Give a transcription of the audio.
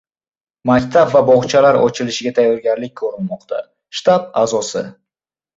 Maktab va bog‘chalar ochilishiga tayyorgarlik ko‘rilmoqda - shtab a’zosi